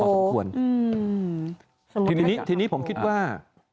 ถึงดูตามโภคเป็นเฌาะสมควรทีนี้ผมคิดว่า